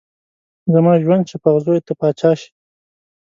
زما ژوند شه په اغزيو ته پاچا شې